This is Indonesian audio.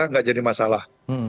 tidak jadi masalah